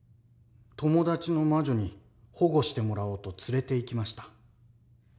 友達の魔女に保護してもらおうと連れていきました。